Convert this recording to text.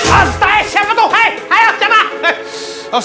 astagfirullahaladzim siapa itu